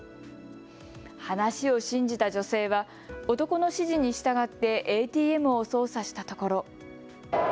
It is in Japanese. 話を信じた女性は男の指示に従ってＡＴＭを操作したところ。